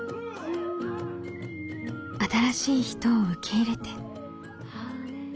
新しい人を受け入れて。